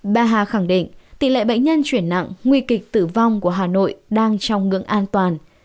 bà hà khẳng định tỷ lệ bệnh nhân chuyển nặng nguy kịch tử vong của hà nội đang trong ngưỡng an toàn